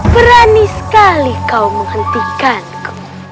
berani sekali kau menghentikanku